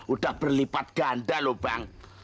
udah berlipat ganda loh bang